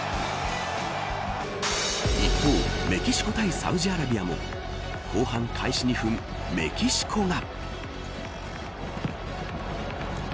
一方メキシコ対サウジアラビアも後半開始２分メキシコが。